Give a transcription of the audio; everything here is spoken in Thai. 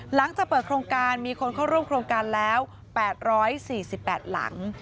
หลังจากเปิดโครงการมีคนเข้าร่วมโครงการแล้ว๘๔๘หลัง